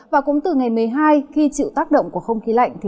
và cũng từ ngày một mươi hai khi chịu tác động của không khí lạnh